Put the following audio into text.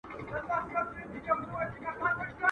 په خوله خوږ وو په زړه کوږ وو ډېر مکار وو ..